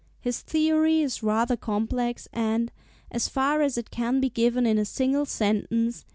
His theory is rather complex, and, as far as it can be given in a single sentence (p.